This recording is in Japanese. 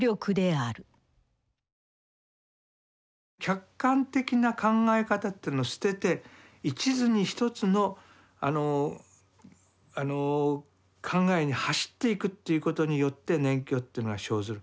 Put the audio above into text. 客観的な考え方というのを捨てて一途に１つのあのあの考えに走っていくということによって熱狂というのは生ずる。